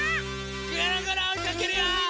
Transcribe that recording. ぐるぐるおいかけるよ！